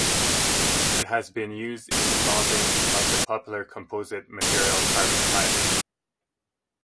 It has been used in the bonding of the popular composite material carbon fiber.